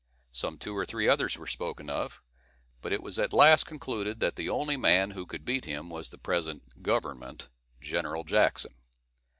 Some two or three others were spoken of, but it was at last concluded that the only man who could beat him was the present "government," General Jackson.